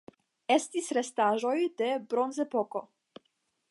Estis restaĵoj de Bronzepoko.